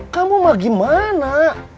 kamu mah gimana